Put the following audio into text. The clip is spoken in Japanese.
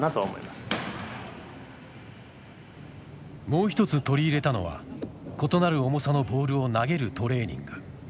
もう一つ取り入れたのは異なる重さのボールを投げるトレーニング。